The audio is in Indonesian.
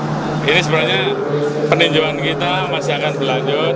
nah ini sebenarnya peninjauan kita masih akan berlanjut